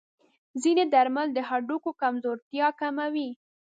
ځینې درمل د هډوکو کمزورتیا کموي.